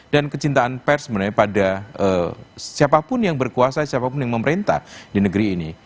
dan kecintaan pers pada siapapun yang berkuasa siapapun yang memerintah di negeri ini